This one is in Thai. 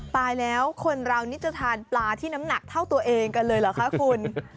ตายแล้วคนเรานี่จะทานปลาที่น้ำหนักเท่าตัวเองกันเลยเหรอคะคุณ